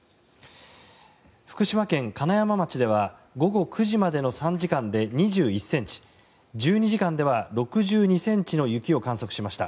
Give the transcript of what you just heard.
福島県金山町では午後９時までの３時間で２１ｃｍ１２時間では６２ｃｍの雪を観測しました。